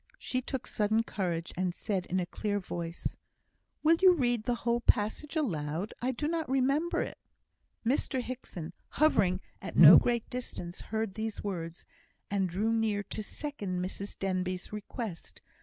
She took sudden courage, and said, in a clear voice, "Will you read the whole passage aloud? I do not remember it." Mr Hickson, hovering at no great distance, heard these words, and drew near to second Mrs Denbigh's request.